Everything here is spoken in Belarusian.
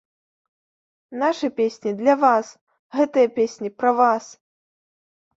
Нашы песні для вас, гэтыя песні пра вас!!!